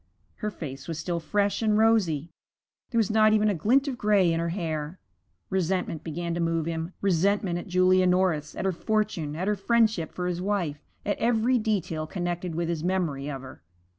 Her face was still fresh and rosy; there was not even a glint of gray in her hair. Resentment began to move him, resentment at Julia Norris, at her fortune, at her friendship for his wife, at every detail connected with his memory of her.